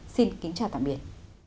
xin kính chào tạm biệt